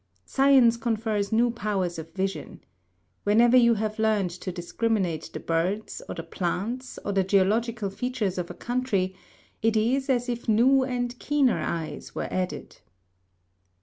Science confers new powers of vision. Whenever you have learned to discriminate the birds, or the plants, or the geological features of a country, it is as if new and keener eyes were added.